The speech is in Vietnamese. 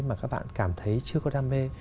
mà các bạn cảm thấy chưa có đam mê